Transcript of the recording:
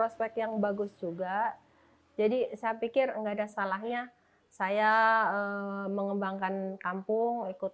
aspek yang bagus juga jadi saya pikir enggak ada salahnya saya mengembangkan kampung ikut